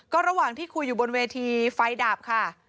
ก็ระหว่างที่คุยอยู่บนเวทีไฟดับค่ะ